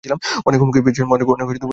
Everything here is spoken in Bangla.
অনেক হুমকি পেয়েছিলাম।